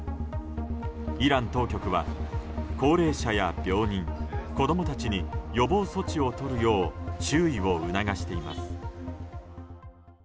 イラン当局は高齢者や病人子供たちに予防措置を取るよう注意を促しています。